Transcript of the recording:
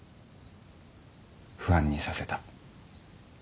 不安にさせた。